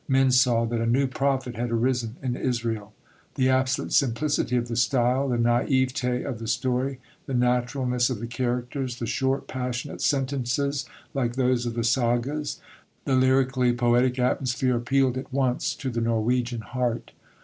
Men saw that a new prophet had arisen in Israel. The absolute simplicity of the style, the naïveté of the story, the naturalness of the characters, the short, passionate sentences like those of the Sagas, the lyrically poetic atmosphere, appealed at once to the Norwegian heart.